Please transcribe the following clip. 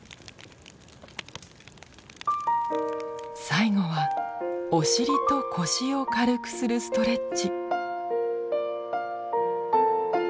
最後はお尻と腰を軽くするストレッチ。